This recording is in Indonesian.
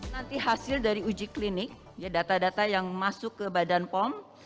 nanti hasil dari uji klinik data data yang masuk ke badan pom